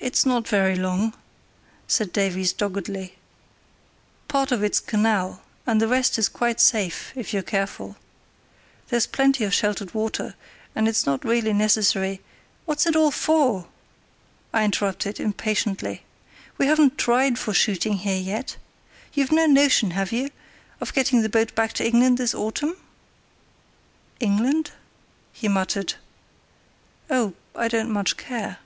"It's not very long," said Davies, doggedly. "Part of it's canal, and the rest is quite safe if you're careful. There's plenty of sheltered water, and it's not really necessary——" "What's it all for?" I interrupted, impatiently. "We haven't tried for shooting here yet. You've no notion, have you, of getting the boat back to England this autumn?" "England?" he muttered. "Oh, I don't much care."